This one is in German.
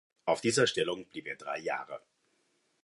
Auf dieser Stellung blieb er drei Jahre.